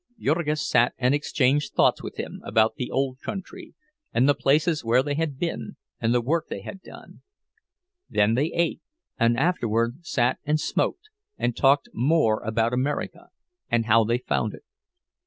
Jurgis sat and exchanged thoughts with him about the old country, and the places where they had been and the work they had done. Then they ate, and afterward sat and smoked and talked more about America, and how they found it.